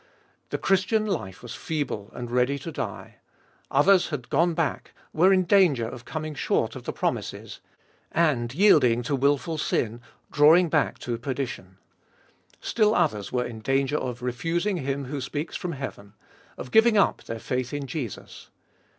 The Chris tian life was feeble and ready to die. Others had " gone back," were in danger of " coming short of the promises," and, yielding 22 tTbe tbolfeet of BU to " wilful sin," " drawing back to perdition." Still others were in danger of " refusing Him who speaks from heaven," of giving up their faith in Jesus.